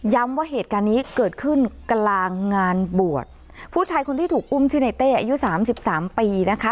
ย้ำว่าเหตุการณ์นี้เกิดขึ้นกลางงานบวชผู้ชายคนที่ถูกอุ้มชีวิตในเต้อายุ๓๓ปีนะคะ